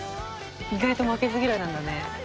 「意外と負けず嫌いなんだね」